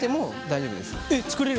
大丈夫です。